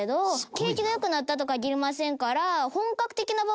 景気が良くなったと限りませんから。